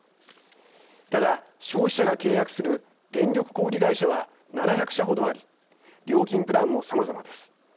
ただ、消費者が契約する電力小売り会社は７００社程あり料金プランもさまざまです。